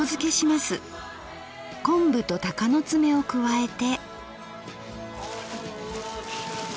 昆布とたかの爪を加えて。